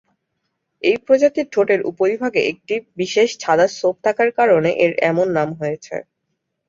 এই প্রজাতিটির ঠোঁটের উপরিভাগে একটি বিশেষ সাদা ছোপ থাকার কারণে এর এমন নাম হয়েছে।